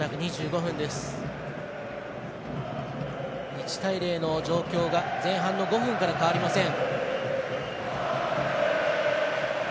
１対０の状況が前半の５分から変わりません。